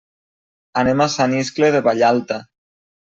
Anem a Sant Iscle de Vallalta.